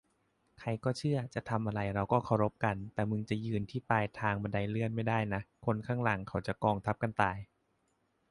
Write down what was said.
ใครก็เชื่อจะทำอะไรเราก็เคารพกัน แต่มึงจะยืนที่ปลายทางบันไดเลื่อนไม่ได้นะ คนข้างหลังเขาจะกองทับกันตาย